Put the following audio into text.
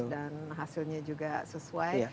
dan hasilnya juga sesuai